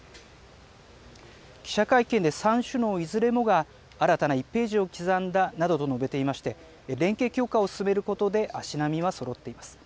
記者会見で３首脳いずれもが、新たな１ページを刻んだなどと述べていまして、連携強化を進めることで足並みはそろっています。